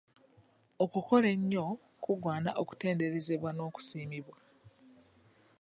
Okukola ennyo kugwana okutenderezebwa n'okusiimibwa